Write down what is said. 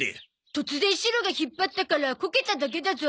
突然シロが引っ張ったからこけただけだゾ。